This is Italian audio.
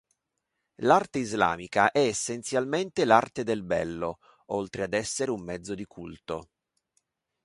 L'arte islamica è essenzialmente l'arte del bello, oltre ad essere un mezzo di culto.